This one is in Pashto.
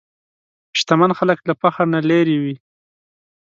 شتمن خلک له فخر نه لېرې وي.